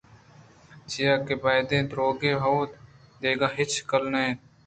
چیاکہ بیدے درٛوگے ءَ ہُود ءَ دگہ ہچ کلّ نہ اَت